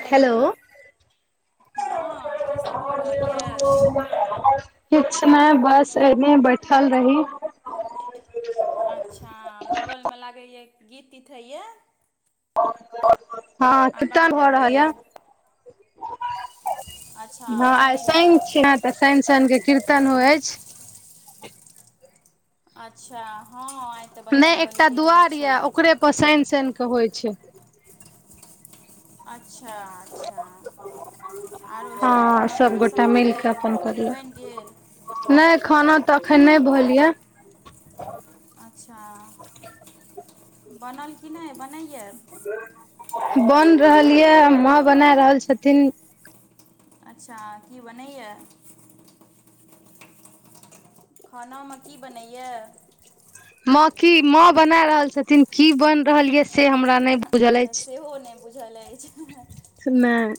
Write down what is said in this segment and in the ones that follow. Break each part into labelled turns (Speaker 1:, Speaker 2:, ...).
Speaker 1: Hello हं की सब भऽ रहल यए
Speaker 2: किछ नहि बस एने बैठल रही।
Speaker 1: अच्छा बगल मे लागैए गीत तीथ होइए।
Speaker 2: हं कीर्तन
Speaker 1: आवाज
Speaker 2: भऽ रहल
Speaker 1: आबैए
Speaker 2: यए
Speaker 1: अच्छा
Speaker 2: हं आई
Speaker 1: मन्दिरमे
Speaker 2: शनि छीय न तऽ शैन शैन कीर्तन होइ अछि।
Speaker 1: अच्छा हं आई।
Speaker 2: नहि एकटा दुआरि ये ओकरे पर शैन शैन केे होइ छैय।
Speaker 1: अच्छा अच्छा। आरो सब
Speaker 2: हँ
Speaker 1: खाना पीना सब
Speaker 2: सबगोटा
Speaker 1: भऽ
Speaker 2: मिल कऽ
Speaker 1: गेल
Speaker 2: अपन
Speaker 1: बनि
Speaker 2: करलक
Speaker 1: गेल?
Speaker 2: नहि खाना तऽ अखन नहि भेल यै
Speaker 1: अच्छा बनल कि नहि बनैयए
Speaker 2: बन रहल याऽ मां बना रहल छथिन।
Speaker 1: अच्छा की बनैया खाना मे की बनैया
Speaker 2: मां की मां बना रहल छथिन की बैन रहल ये से हमरा नहि
Speaker 1: अच्छा सेहो नहि बुझल अछि।
Speaker 2: खेनाई।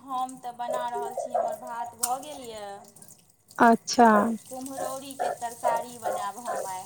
Speaker 1: हम तऽ बना रहल छी हमर भात भऽ गेल याऽ
Speaker 2: अच्छा
Speaker 1: आ कुम्हरौरी के तरकारी बनायब हम आइ।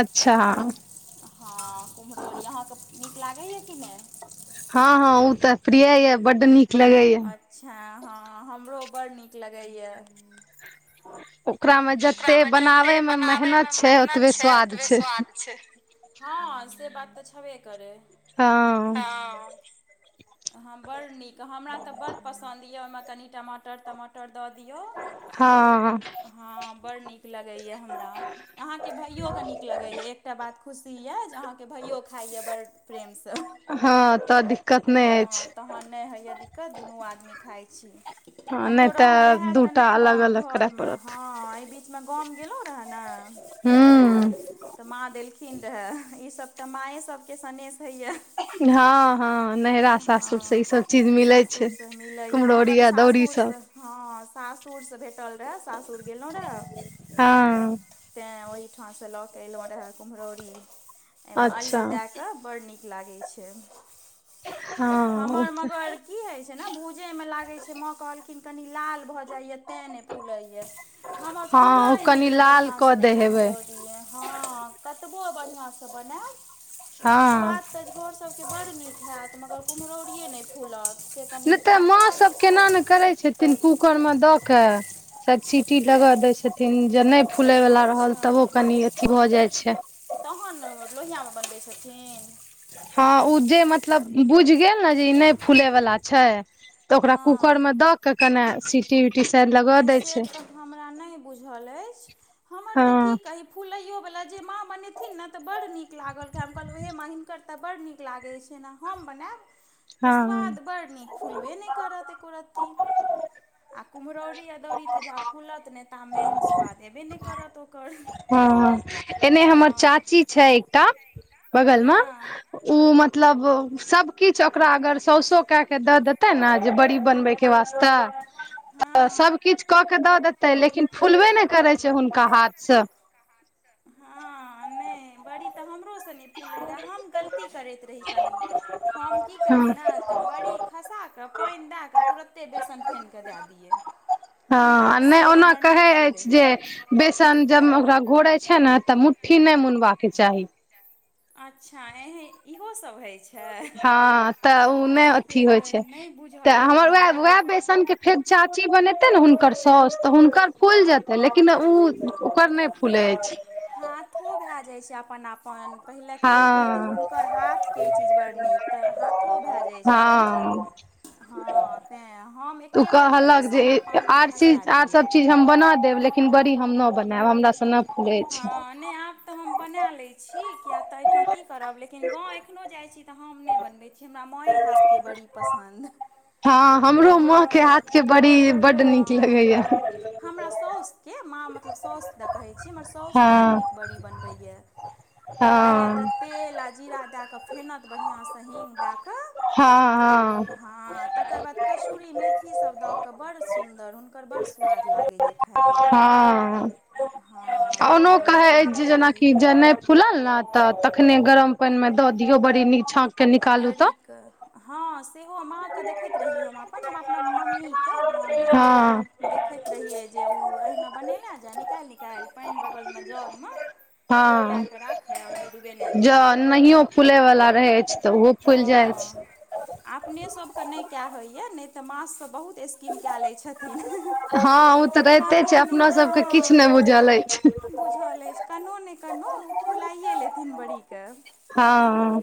Speaker 2: अच्छा।
Speaker 1: हँ कुम्हरौरी। अहाँ क नीक लागैए कि नहि?
Speaker 2: हँ हँ उ तऽ प्रिय यए, बड नीक लगे या।
Speaker 1: अच्छा हँ, हमरो बड़ नीक लगैए।
Speaker 2: ओकरा मे जते
Speaker 1: ओकरामे
Speaker 2: बनाबे
Speaker 1: जते
Speaker 2: मे मेहनत
Speaker 1: बनाबैमे
Speaker 2: छै
Speaker 1: मेहनत
Speaker 2: ओतबे
Speaker 1: छै,
Speaker 2: स्वाद
Speaker 1: ओतबे
Speaker 2: छै
Speaker 1: स्वाद छै। हँ से बात तऽ छेबे करै।
Speaker 2: हँ
Speaker 1: हॅं हँ बड़ नीक। हमरा तऽ बड पसन्द यऽ ओहिमे कनि टमाटर तमाटर दऽ दियौ
Speaker 2: हँ हँ
Speaker 1: हँ बड़ नीक लगैए हमरा। अहाँके भाइयो के नीक लगैये। एकटा बात खुशी यऽ अहाँके भैयो खाइए बड़ प्रेमसँ।
Speaker 2: हँ तऽ दिक्कत नहि अछि
Speaker 1: हँ तहन नय होइए दिक्कत, दुनू आदमी खाइत छी।
Speaker 2: हँ नहि
Speaker 1: हमरो रह रहए तऽ
Speaker 2: दूटा
Speaker 1: नहि
Speaker 2: अलग
Speaker 1: गाँव
Speaker 2: अलग करय
Speaker 1: घर मे,
Speaker 2: पड़त
Speaker 1: हँ एहि बीचमे गाम गेलौं रहए ने
Speaker 2: हूँ
Speaker 1: तऽ माँ देलखिन रहए, ईसभ तऽ माँए सभके सनेेश होइए।
Speaker 2: हँ हँ नहिरा सासुर से ई
Speaker 1: हँ
Speaker 2: सब चीज मिलै छै
Speaker 1: सासुर सँ मिलै ह। हमरा
Speaker 2: कुम्हरौरी
Speaker 1: तऽ
Speaker 2: अदौरी
Speaker 1: सासुर
Speaker 2: सब
Speaker 1: स हँ सासुरसँ भेटल रहए, सासुर गेल रहहू ने।
Speaker 2: हँ
Speaker 1: तैं ओहिठाँस लऽ कऽ एयलहुँ रहँ कुम्हरौरी, एहिमे
Speaker 2: अच्छा
Speaker 1: अल्लू दए कऽ बड़ नीक लागै छै।
Speaker 2: हँ ओ
Speaker 1: हमर
Speaker 2: तऽ
Speaker 1: मगर की होइ छै ने, भूजै मे लागै छै, माॅं कहलखिन कनी लाल भऽ जाइये तें नहि फूलय य। हमर
Speaker 2: हँ ओ
Speaker 1: फूलय
Speaker 2: कनि
Speaker 1: नहि ये
Speaker 2: लाल कऽ
Speaker 1: बढ़िआँसँ
Speaker 2: दै हेबै
Speaker 1: कुम्हरौरी य हँ कतबो बढ़िआँ सँ बनायब,
Speaker 2: हँ
Speaker 1: स्वाद त झोर सबके बड़ नीक होयत मगर कुम्हरौरिए नहि फूलत, से कनि कड़ा लागैत छै।
Speaker 2: तिन कूकर में द के, सब सीटी लगा देय छथिन जे नहि फूलै बला रहल
Speaker 1: अच्छा
Speaker 2: त ओ कनि अथी भऽ जाइ छै।
Speaker 1: तहन न लोहिया मे बनबै छथिन।
Speaker 2: हँ ऊ जे मतलब बुझ गेल ने, जे ई नहि फूले बला छै तऽ ओकरा कु कुकर
Speaker 1: हँ
Speaker 2: मे दऽ के कने सीटी सीटी [unintelligible]
Speaker 1: नहि से तऽ हमरा नहि बुझल अछि। हमर
Speaker 2: हँ
Speaker 1: तऽ की कही फुलैयो बला जे माँ बनेथिन न तऽ बड़ड नीक लागल खाय, हम कहलहुँ हे माँ हिनकर तऽ बड्ड नीक लागैत छै ने, हम बनायब तऽ
Speaker 2: हँ
Speaker 1: स्वाद बड्ड नीक फुलबे नहि करत एकोरती। कुम्हरौरी अदौरी तऽ जा फूलत नहि, ता मेन स्वाद हेबे नहि करत ओकर।
Speaker 2: हँ हँ, एने हमर
Speaker 1: हँ
Speaker 2: चाची छै एकटा बगल म
Speaker 1: हँ
Speaker 2: ऊ मतलब, सब किछ ओकरा अगर सौसो कए के द देते ने, जे बड़ी बनबय के वास्ते तऽ, तऽ
Speaker 1: हँ
Speaker 2: सबकिछ कऽ के के दऽ देते, लेकिन फुलबे नहि करै छै हुनका हाथ से।
Speaker 1: हँ नहि, बड़ी तऽ हमरोसँ नहि फूलैत रहए, हम गलती करैत रही कनि। हम की करी
Speaker 2: हँ
Speaker 1: न, तऽ बड़ी खसा कऽ, पाईन दए कऽ तुरत्ते बेसन फेन कऽ दए दियै।
Speaker 2: हँ आ नै
Speaker 1: से
Speaker 2: ओना
Speaker 1: हमर नहि
Speaker 2: कहै अइछ
Speaker 1: फूलै
Speaker 2: जे बेसन जब ओकरा घोरै छै ने तऽ मुट्ठी नै मुनबाक चाही।
Speaker 1: अच्छा एंहे इहोसब होइ छ।
Speaker 2: हँ तऽ उ नै अथी होइ
Speaker 1: तऽ
Speaker 2: छै
Speaker 1: नहि
Speaker 2: तऽ
Speaker 1: बुझल रहए
Speaker 2: हमर वेएह
Speaker 1: हमरा
Speaker 2: - वेएह बेसी नूतन के फेर चाची बनेतै ने हुनकर साउस त हुनकर फुलि जेतै लेकिन उ ओकर नै फूलै अइछ।
Speaker 1: हाथो भेए जाइ छै अपन - अपन। पहिले के
Speaker 2: हँ
Speaker 1: लोक कहै रहै जे हुनकर हाथ के ई चीज बड़ नीक त हाथो भेए जाइ छै कनी।
Speaker 2: हँ
Speaker 1: हँ तेंए हम
Speaker 2: ओ
Speaker 1: एक्के बेर मे
Speaker 2: कहलक
Speaker 1: बेसन आ पानी खसेए दियै।
Speaker 2: इ हम बना देब लेकिन बड़ी हम नऽ बनाएब हमरा सँ न फुलै छै।
Speaker 1: नै आब तऽ हम बनेए लै छी किया तऽ अइठां की करब लेकिन गाँव एखनो जाइ छी तऽ हम नै बनबै छी हमरा मांए हाथ के बड़ी पसन्द।
Speaker 2: हँ हमरो माँ के
Speaker 1: माँके
Speaker 2: हाथ के बड़ी बड्ड नीक
Speaker 1: हँ
Speaker 2: लगैये।
Speaker 1: हमरा सौस के माँ मतलब सौस दऽ कहै छी हमर सौस बड़
Speaker 2: हँ
Speaker 1: नीक बड़ी बनबैये पहिले त
Speaker 2: हँ
Speaker 1: तेल आ जीरा देए कऽ फेनत बढ़ियां सँ हींग देए कऽ
Speaker 2: हँ हँ
Speaker 1: हाँ। तकर बाद कसूरी मेथी सब दऽ कऽ बड़ सुन्दर हुनकर बड़ सुवाद लागैये।
Speaker 2: हँअ आ
Speaker 1: हँ
Speaker 2: ओनो
Speaker 1: बड़ी
Speaker 2: कहै अइछ जे जेना
Speaker 1: कुम्हरौरी
Speaker 2: कि जे नै फूलल ने तऽ तखने गरम पानि मे द दियौ बड़ी नीक छाक
Speaker 1: बड़ी के हँ सेहो हम मां के देखैत रहियै हम अपन हम अपना मम्मी के। तऽ गाम मे
Speaker 2: हँ
Speaker 1: देखैत रहियै जे उ अहिना बनेने जाय निकालि- निकालि पाइन बगल मे जग मे खौला
Speaker 2: हँ
Speaker 1: कऽ राखय आ ओइमे डूबेने जाय।
Speaker 2: जँ नहियो फुलै बला
Speaker 1: रहै छै हँ। आ अपने सबके नै केए होइये नै तऽ मां सँ त बहुत स कीन केए लै छथिन
Speaker 2: हँ ओ तऽ रहिते
Speaker 1: कनो
Speaker 2: छै
Speaker 1: नै।
Speaker 2: अपना सबके किछु नहि बुझल अछि
Speaker 1: हॅं। बुझल अइछ कनो नै कनो ओ फुलाइये लेथिन बड़ी के।
Speaker 2: हँ।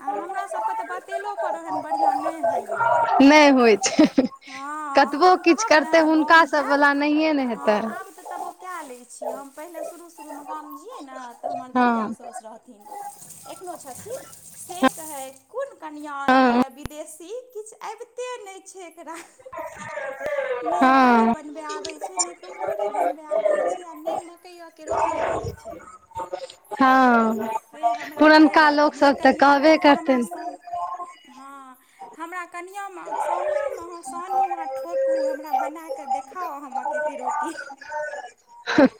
Speaker 1: आ हमरा सबके तऽ बतेलो पर ओहेन बढ़ियां नै होइये।
Speaker 2: नहि होइ छै
Speaker 1: हॅंअ
Speaker 2: कतबो
Speaker 1: हम
Speaker 2: किछु
Speaker 1: कहब ने
Speaker 2: करतै
Speaker 1: गाम
Speaker 2: हुनका सब
Speaker 1: जैब
Speaker 2: वला नहिए ने
Speaker 1: हँ
Speaker 2: हेतै
Speaker 1: आब ते तबो केए लै छियै हम पहिले शुरू- शुरू मे गाम जैइयै ने तऽ हमर ददिया
Speaker 2: हँ
Speaker 1: साउस रहथिन एखनो छथिन। से कहथि कोन कनिया
Speaker 2: हँ
Speaker 1: अनलियै विदेशी किछ अबिते नै छै। एकरा नै बड़ी
Speaker 2: हँ
Speaker 1: बनबै आबै छै नै कुम्हरौरी बनबै आबै छै। छै आ नै मकइयो के रोटी आबै छै।
Speaker 2: हँ
Speaker 1: से हमरा कहै
Speaker 2: पुरनका लोक
Speaker 1: रहथिन हे
Speaker 2: सब तऽ
Speaker 1: कनिया
Speaker 2: कहबे
Speaker 1: कनिटा हमरा
Speaker 2: करतनि।
Speaker 1: सम हँ। हमरा कनियां मां सामना मे अहां सानू आ ठोकू हमरा बना कऽ देखाउ अहां मकई के रोटी।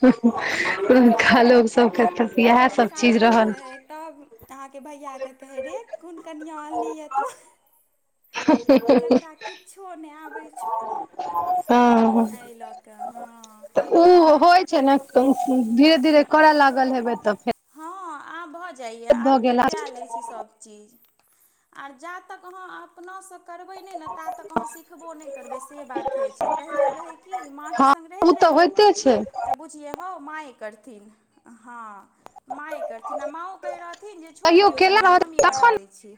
Speaker 2: पहुलका
Speaker 1: हँ
Speaker 2: लोक सबके तऽ इहेए सब
Speaker 1: हुनका
Speaker 2: चीज
Speaker 1: बड्ड
Speaker 2: रहल।
Speaker 1: रहै तब अहाँके भैया के कहै रे कोन कनियाँ अनलिही ए तों। जकरा किछो नै आबै छौ
Speaker 2: हँ
Speaker 1: अइ ल कहाँआं।
Speaker 2: तऽ उ होइ छै न धीरे - धीरे करऽ लागल हेबै तऽ फेर
Speaker 1: हँ आब भऽ जाइए
Speaker 2: भऽ
Speaker 1: आब तऽ
Speaker 2: गेल
Speaker 1: कैए लै छी सब चीज। आर जा तक अहाँ अपनासँ करबै नहि नऽ ता तक अहाँ सिखबो नहि करबै से बात होय छै पहिले रहै कि मां के
Speaker 2: हँ
Speaker 1: संगे
Speaker 2: उ
Speaker 1: रहैत रहि
Speaker 2: तऽ होइते छै।
Speaker 1: तऽ बुझिये हौ मांए करथिन हँ माएं करथि न माँओ कहै रहथिन जे छोड़ि
Speaker 2: कहियो
Speaker 1: दियौ
Speaker 2: केला
Speaker 1: कनियाँ
Speaker 2: रह
Speaker 1: हमहीँ बना दै
Speaker 2: तखन
Speaker 1: छी।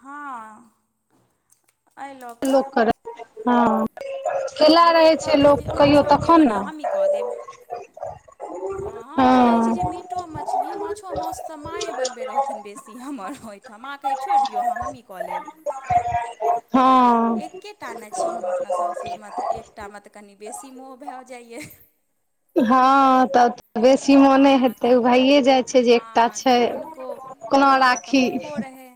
Speaker 1: हँ। एहि लऽ
Speaker 2: लोक
Speaker 1: कऽ
Speaker 2: करत हँ। केला
Speaker 1: माँ
Speaker 2: रहै छै
Speaker 1: कहथिन
Speaker 2: लोक
Speaker 1: जे अहाँ
Speaker 2: कहियो
Speaker 1: छोड़ि दियौ
Speaker 2: तखन ने
Speaker 1: कनियाँ हमहीँ कऽ देब। हँ हम तऽ कहैत छी जे
Speaker 2: हँ
Speaker 1: मीटो मछली माछो माउस सँ माँए बनबैत रहथिन बेसी हमर ओहिठाम माँ कहय छोड़ि दियौ अहाँ हमहीँ कऽ लेब। आ
Speaker 2: हँ
Speaker 1: एकेटा ने छी हम अपना सासुर म तऽ एकटामे तऽ कनि बेसी मोह भऽ जाइया।
Speaker 2: हँ तऽ बेसी मोने
Speaker 1: हँ
Speaker 2: हेतै ओ
Speaker 1: तऽ
Speaker 2: भइए जाइ छै जे एकटा
Speaker 1: हँ
Speaker 2: छै।
Speaker 1: तऽ हुनको
Speaker 2: कोना
Speaker 1: हँ तऽ
Speaker 2: राखी
Speaker 1: हुनको रहै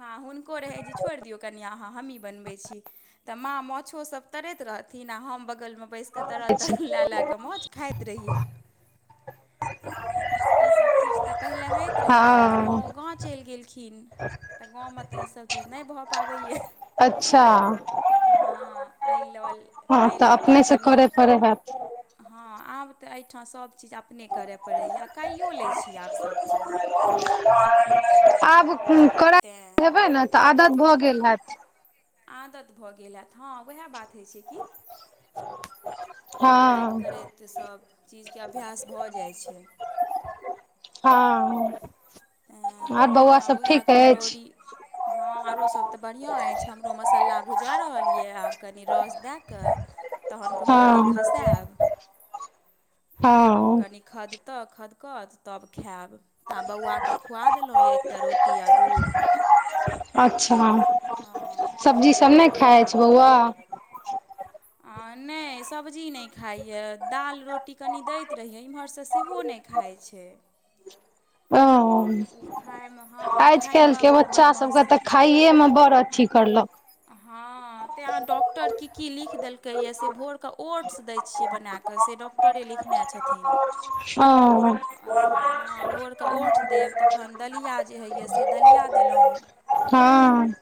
Speaker 1: हँ हुनको रहै जे छोड़ि दियौ कनिया अहाँ हमहीँ बनबैत छी तऽ माँ माछोसभ तरैत रहथिन आ हम बगलम बइस क तरल
Speaker 2: छै
Speaker 1: तरल लए लए क माछ खाइत रहिये आ ईसभ चीज तऽ पहिले हैइत रहै आब तऽ
Speaker 2: हँ
Speaker 1: माँओ गाँव चलि गेलखिन। तऽ गाँवमे तऽ ईसभ चीज नहि भऽ पाबैया।
Speaker 2: अच्छा।
Speaker 1: हँ एहि ल
Speaker 2: हँ
Speaker 1: एहि
Speaker 2: तऽ
Speaker 1: लऽ कऽ
Speaker 2: अपनेसँ
Speaker 1: कनि
Speaker 2: करय पड़ै हैत
Speaker 1: हँ आब तऽ एहिठाम सभचीज अपने करय पड़ैए कालइहियो लै छी आब सभचीज।
Speaker 2: आब करा
Speaker 1: तेँ
Speaker 2: हेबै ने तऽ आदत भऽ गेल हैत।
Speaker 1: आदत भऽ गेल हैत हँ उएह बात होइत छै कि करैत
Speaker 2: हँ
Speaker 1: करैत सभचीजके अभ्यास भऽ जाइ छै।
Speaker 2: हँ
Speaker 1: ह
Speaker 2: आर
Speaker 1: हमूँ
Speaker 2: बौआ
Speaker 1: आब
Speaker 2: सब
Speaker 1: उएह
Speaker 2: ठीक अछि
Speaker 1: कुमहरौरी हँ आरो सब तऽ बढ़िऑँ अछि हमरो मसाला भुजा रहल यऽ आब कनी रस दए कए तहन कुम्हरौरीे
Speaker 2: हँ
Speaker 1: तब
Speaker 2: हँ
Speaker 1: कनि खदतऽ खदकत तब खायब। तऽ आ बौआके खुआ देलहु य एकटा रोटी आ दूध। हँ
Speaker 2: अच्छा सब्जी सब नहि
Speaker 1: तेँ
Speaker 2: खाइ अछि
Speaker 1: आब ओ
Speaker 2: बौआ।
Speaker 1: आ नेह सब्जी नहि खाइए दाल रोटी कनि दैत रहैय इम्हरसँ सेहो नहि खाइ छै।
Speaker 2: ओ
Speaker 1: ओ खाइमे हँ
Speaker 2: आज कल
Speaker 1: खाइमे
Speaker 2: के
Speaker 1: बड़
Speaker 2: बच्चा सब के तऽ
Speaker 1: बदमाशी
Speaker 2: खाइे मे बड़ अथी करलक।
Speaker 1: हँ तेंहाँ डॉक्टर की की लिख देलकै यए से भोर ओट्स दै छियै बनाकऽ से डॉक्टरे लिखने छथिन।
Speaker 2: ओ
Speaker 1: ह भोर क ओट्स देब तखन दलिया जे होइय से दलिया देलहुँ।
Speaker 2: हँ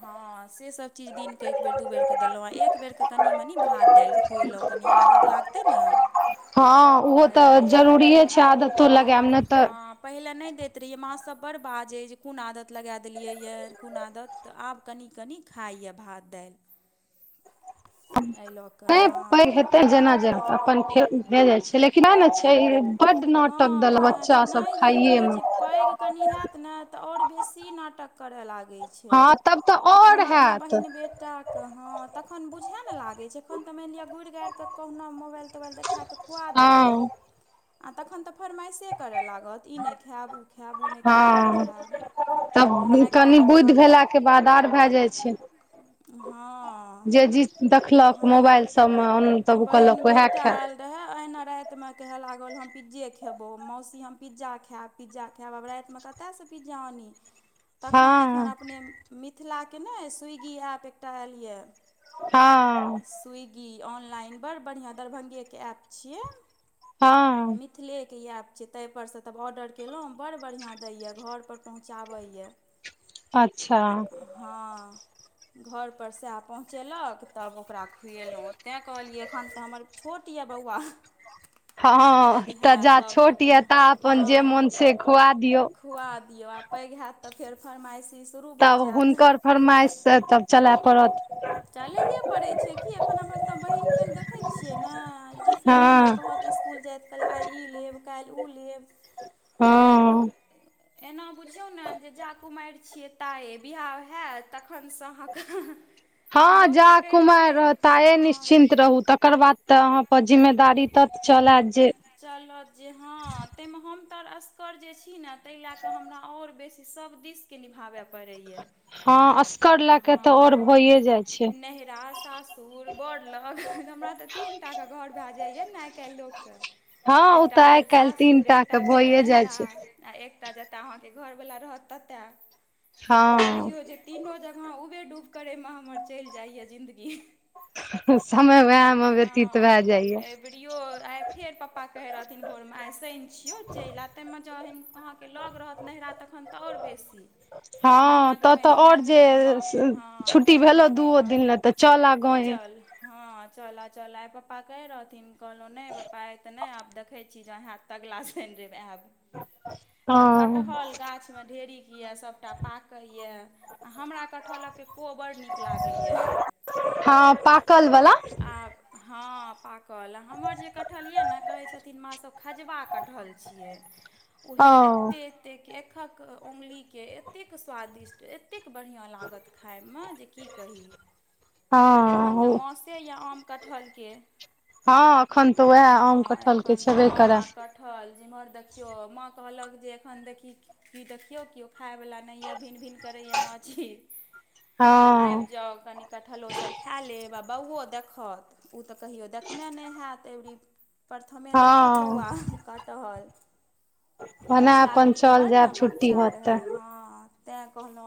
Speaker 1: हँ से सभ चीज दिनके एक बेर दू बेरके देलहुँ आ एक बेरके कनि मनि भात दालि खुएलहुँ कनि आदत लागतै ने।
Speaker 2: हँ उहो
Speaker 1: एहि
Speaker 2: तऽ
Speaker 1: लेल
Speaker 2: जरूरिे छै आदतो लगायब ने तऽ
Speaker 1: आ पहिले नहि दैत रहियए मां सब बड बाजे जे कोन आदत लगा देलियैया कोन आदत। आब कनी कनी खाई ए भात दाइल। एइ ल
Speaker 2: नहि पैघ हेतै जेना जे अपन फे भे जाइ छै। लेकिन आ ने छै ई
Speaker 1: हँ उएह छै। नहि यै
Speaker 2: खाइये
Speaker 1: कहै
Speaker 2: मे
Speaker 1: छै पैघ कनि हैत ने तऽ आओर बेसी नाटक करे लागैय छै।
Speaker 2: हँ तब तऽ और
Speaker 1: हम अपना
Speaker 2: हैत
Speaker 1: बहिन बेटी क [unintelligible] के हं, तखन त बुझाय ने लागै छै, एखन तऽ मानि लिअ गुड़ि गाड़ तऽ कहुना मोबाइल तोबाइल देखा कऽ खुआ देलहुँ।
Speaker 2: हँ
Speaker 1: आ तखन तऽ फरमाइशे करय लागत। ई नहि खायब ओ खायब ओ नहि खायब ई
Speaker 2: हँ,
Speaker 1: खायब ताहिमे
Speaker 2: तब
Speaker 1: आइ काल्हि
Speaker 2: कनि
Speaker 1: तऽ
Speaker 2: बुधि
Speaker 1: कहत
Speaker 2: भेलाके बाद आर भए जाइ छै।
Speaker 1: हँ
Speaker 2: जे जीज देखलक
Speaker 1: हमर
Speaker 2: मोबाइल सभमे ओन तब ओ कहलक उएह खायब।
Speaker 1: [unintelligible] ना राति मे कहे लागल हम पिज्जे खेबौ। मौसी हम पिज्जा खायब, पिज्जा खायब आब राति मे कत तसँ पिज्जा आनी? तखन एखन
Speaker 2: हँ
Speaker 1: अपने मिथिलाके नै स्विगी ऐप्प एकटा आयल यए।
Speaker 2: हँ
Speaker 1: स्विगी ऑनलाइन बड़ बढ़िआँ दरभंगेके ऐप छियै।
Speaker 2: हँ
Speaker 1: मिथिलेके ई ऐप छै। ताहि परसँ तब ऑर्डर केलहुँं। बड़ बढ़िआँ दै ये। घर पर पहुँचाबैये।
Speaker 2: अच्छा
Speaker 1: हँ घर पर सएह पहुँचेलक। तब ओकरा खुएलहुँ। तैँ कहलियै एखन तऽ हमर छोट यए बौआ। पैघ
Speaker 2: हँ-हं-हं, त
Speaker 1: हैत
Speaker 2: जा
Speaker 1: तब तऽ
Speaker 2: छोट ये
Speaker 1: फेर
Speaker 2: ता अपन जे मोन
Speaker 1: हँ
Speaker 2: से खुआ दियौ।
Speaker 1: खुआ दियौ आ पैघ हैत तऽ फेर फरमाइसिस
Speaker 2: तब हुनकर फरमाइश से तब चलय पड़त।
Speaker 1: चलैए पड़ै छै कि। एखन हम अपना बहिन कन देखै छियै ने, टिफिनिये
Speaker 2: हँ
Speaker 1: मे कहत इस स्कुल जायइत काल, आइ ई लेब काल्हि उ लेब।
Speaker 2: हँ।
Speaker 1: एना बुझियौ ने जे जा कुमारि छियै ताये। वियाह हैत तखनसँ अहाँकेँ हं-हं
Speaker 2: हँ जा कुमारि रहत ताये
Speaker 1: हँ
Speaker 2: निश्चिन्त रहू। त कर बाद तऽ अहाँ पर ज़िम्मेदारी तत चल अयत जे
Speaker 1: चलत जे हँ, ताहिमे हम तऽ असगर जे छी ने ताहि लए कऽ हमरा और बेसी, सभ दिस के निभाबै पड़ैए।
Speaker 2: हँ, अस
Speaker 1: हँ नहिरा, सासुर, बड़लग [unintelligible] हमरा तऽ तीन टाके घर भए जाइए ने आइ काल्हि लोकके।
Speaker 2: हँ ओ
Speaker 1: एकटा
Speaker 2: तऽ आइ
Speaker 1: भेल
Speaker 2: काल्हि तीन
Speaker 1: सासुर,
Speaker 2: टा के
Speaker 1: एकटा भेल
Speaker 2: भइए जाइ
Speaker 1: नैहरा
Speaker 2: छै
Speaker 1: आ एकटा जतय अहाँके घर वला रहत ततए।
Speaker 2: हँ
Speaker 1: बुझियौ जे तीनो ज [unintelligible] करयमे हमर चलि जाइए जिन्दगी।
Speaker 2: समय उएहमे व्यतीत भए जाइए।
Speaker 1: प्रियो, आई फेर पप्पा कहै रहथिन भोर मे आई शनि छियौ चलि आ, ताहि मे जहैन अहाँ लग रहत नहिरा तखन तऽ और बेसी। महीना
Speaker 2: हँ
Speaker 1: दू
Speaker 2: तऽ तऽ
Speaker 1: महीना
Speaker 2: आओर
Speaker 1: हैत
Speaker 2: जे
Speaker 1: नहि माँ हँ
Speaker 2: छुट्टी भेलो
Speaker 1: माँ
Speaker 2: दुओ
Speaker 1: पप्पा
Speaker 2: दिन ले तऽ चल आ गांवे।
Speaker 1: चल हँ चल आ, चल आ आई पप्पा कहै रहथिन। कहलो नहि पप्पा आइ त नहि आब देख देखै छी जऽ हेएत त अगला शैन रैब आएब। त
Speaker 2: हँ
Speaker 1: कटहल गाछ मे ढे़रिक येए सबटा पाकैये। आ हमरा कटहलऽ के को बड़ नीक लागैये।
Speaker 2: हँ पाकल वला
Speaker 1: आब हँ पाकऽ कल हमर जे कटहल येए ने कहै छथिन मां सब खजबा कटहल छियै। उहे
Speaker 2: ओ
Speaker 1: एते - एते क एकहक उंगली के एतेक स्वादिष्ट एतेक बढ़ियां लागत खाइ मे जे की कही आ एखन त
Speaker 2: हँ
Speaker 1: मौसम कते ये आम कटहल के।
Speaker 2: हँ अखन तऽ उएह आम कटहल के छेबे करे।
Speaker 1: उठल जेम्हर देखियौ, माँ कहलक जे एखन देखही ई देखियौ कियो खाय बला नै ये भिन- भिन करैये माछी।
Speaker 2: हँ
Speaker 1: आइब जाउ कनि कटहलो सब खेए लेब आ, बौवो देखत उ त कहियो देखने नै हेएत एबरी। प्रथमे देखत
Speaker 2: हँ
Speaker 1: बौवा कटहल।
Speaker 2: ओना
Speaker 1: पिछला
Speaker 2: अपन
Speaker 1: बेरी तऽ
Speaker 2: चल
Speaker 1: बड़
Speaker 2: जायब
Speaker 1: ने
Speaker 2: छुट्टी
Speaker 1: बच्चा
Speaker 2: होत
Speaker 1: रहे
Speaker 2: तऽ
Speaker 1: हँ, तें कहलहु आ